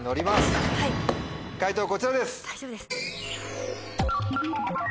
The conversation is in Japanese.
解答こちらです。